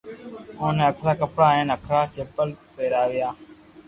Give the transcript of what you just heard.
اوني ھکرا ڪپڙا ھين ھکرا چپل پيراويا